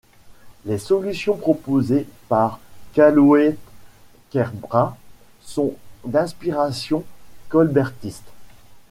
Les solutions proposées par Calloet-Kerbrat sont d'inspiration colbertiste.